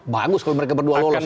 bagus kalau mereka berdua lolos